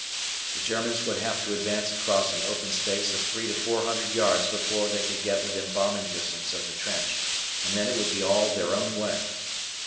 The Germans would have to advance across an open space of three to four hundred yards before they could get within bombing distance of the trench, and then it would be all their own way.